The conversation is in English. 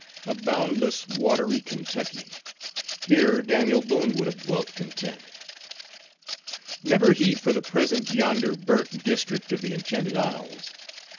A boundless watery Kentucky. Here Daniel Boone would have dwelt content. Never heed for the present yonder Burnt District of the Enchanted Isles.